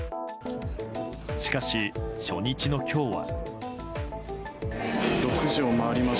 しかし、初日の今日は。